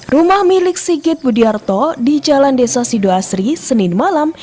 rumah milik sigit budiarto di jalan desa sidoasri senin malam